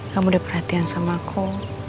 kamu udah perhatian sama aku